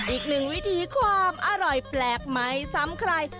อีกหนึ่งวิธีความอร่อยแปลกไม่ซ้ำใคร